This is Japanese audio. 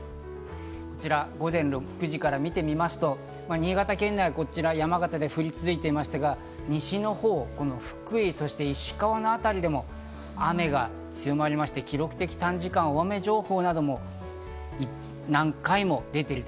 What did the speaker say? こちら午前６時から見てみますと、新潟県内はこちら山形で降り続いていましたが、西のほう、福井そして石川のあたりでも雨が強まりまして記録的短時間大雨情報などが何回も出ている。